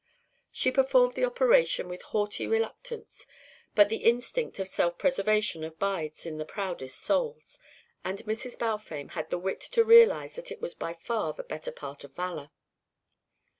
She performed the operation with haughty reluctance, but the instinct of self preservation abides in the proudest souls, and Mrs. Balfame had the wit to realise that it was by far the better part of valour.